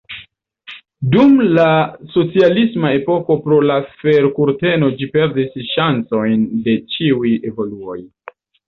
Dum la socialisma epoko pro la fer-kurteno ĝi perdis ŝancojn de ĉiuj evoluoj.